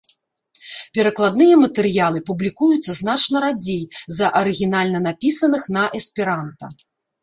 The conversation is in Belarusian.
Перакладныя матэрыялы публікуюцца значна радзей за арыгінальна напісаных на эсперанта.